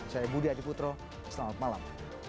saya budi haji putro selamat malam